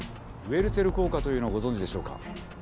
ウェルテル効果というのをご存じでしょうか？